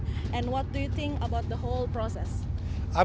dan apa pendapat anda tentang proses sepenuhnya